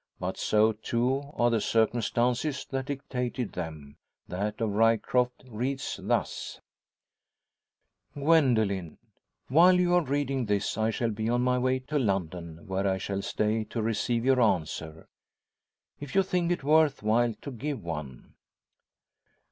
But, so too, are the circumstances that dictated them, that of Ryecroft reads thus: "Gwendoline, While you are reading this I shall be on my way to London, where I shall stay to receive your answer if you think it worth while to give one.